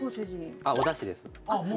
あっおだしです。